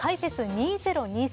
２０２３